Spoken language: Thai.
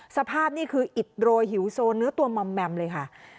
สภาพนี่คืออิดโรยหิวโซเนื้อตัวมอมแมมเลยค่ะ